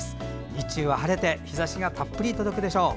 日中は晴れて日ざしがたっぷり届くでしょう。